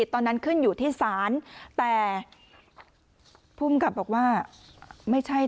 สองสามีภรรยาคู่นี้มีอาชีพ